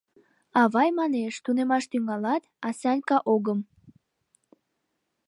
— Авай манеш: «Тунемаш тӱҥалат», а Санька: «Огым.